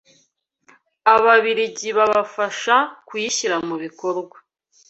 ababiligi babafasha kuyishyira mu bikorwa